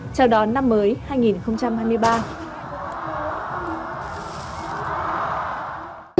chào đón năm mới hai nghìn hai mươi ba